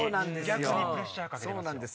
逆にプレッシャーかけれますよ。